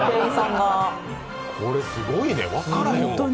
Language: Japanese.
これすごいね、分からへんわ。